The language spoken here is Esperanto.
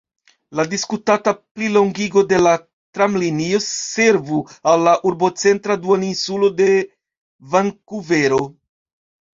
La diskutata plilongigo de la tramlinio servu al la urbocentra duon-insulo de Vankuvero.